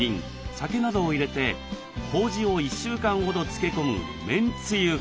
酒などを入れてこうじを１週間ほど漬け込む「麺つゆこうじ」。